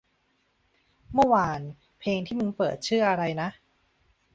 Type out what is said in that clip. เพลงเมื่อวานที่มึงเปิดชื่อไรนะ